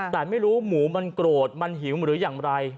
แต่ไม่รู้หมูมันโกรธมันหิวหรืออย่างไร